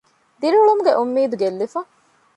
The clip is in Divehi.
ދިރިއުޅުމުގެ އުންމީދު ގެއްލިފަ